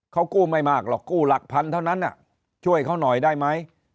เขากู้ไม่มากหรอกกู้หลักพันเท่านั้นช่วยเขาหน่อยได้ไหม